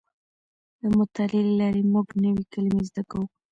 د مطالعې له لارې موږ نوې کلمې زده کوو.